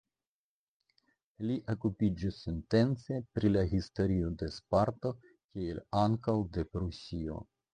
Li okupiĝis intense pri la historio de Sparto kiel ankaŭ de Prusio.